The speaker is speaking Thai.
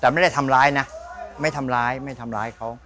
แต่ไม่ได้ทำร้ายนะไม่ทำร้ายไม่ทำร้ายเขา